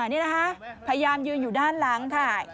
นี่นะคะพยายามยืนอยู่ด้านหลังค่ะ